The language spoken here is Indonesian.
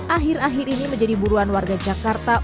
akhir akhir ini menjadi buruan warga jakarta